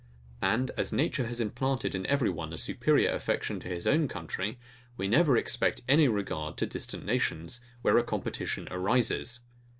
And as nature has implanted in every one a superior affection to his own country, we never expect any regard to distant nations, where a competition arises.